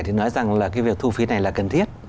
thì nói rằng là cái việc thu phí này là cần thiết